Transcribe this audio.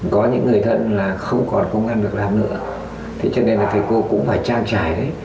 có những người thân là không còn công an việc làm nữa thế cho nên là thầy cô cũng phải trang trải đấy